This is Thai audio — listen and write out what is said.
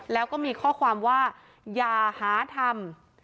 แล้วก็มีข้อความว่าอย่าหาทำ